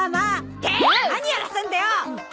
って何やらせんだよ！